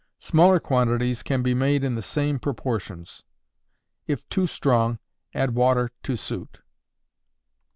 Smaller quantities can be made in the same proportions. If too strong, add water to suit.